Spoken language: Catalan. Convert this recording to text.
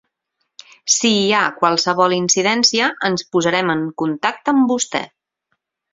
Si hi ha qualsevol incidència ens posarem en contacte amb vostè.